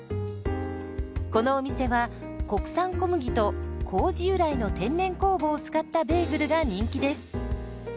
このお店は国産小麦と麹由来の天然酵母を使ったベーグルが人気です。